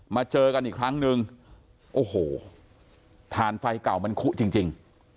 เจอกันอีกครั้งนึงโอ้โหฐานไฟเก่ามันคุจริง